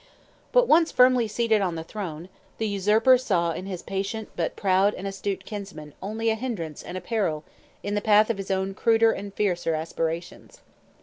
But, once firmly seated on the throne, the usurper saw in his patient but proud and astute kinsman only a hindrance and a peril in the path of his own cruder and fiercer aspirations.